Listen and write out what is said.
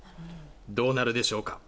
どうなるでしょうか。